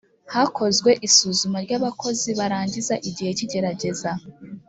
hakozwe isuzuma ry abakozi barangiza igihe cy igerageza